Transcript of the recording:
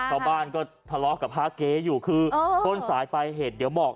ชาวบ้านก็ทะเลาะกับพระเก๊อยู่คือต้นสายปลายเหตุเดี๋ยวบอก